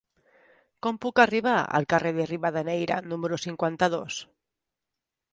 Com puc arribar al carrer de Rivadeneyra número cinquanta-dos?